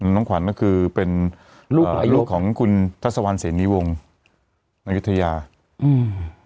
น้องขวัญก็คือเป็นลูกลูกของคุณทัศวรรณเสนีวงอายุทยาอืม